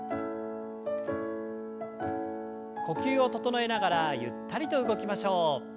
呼吸を整えながらゆったりと動きましょう。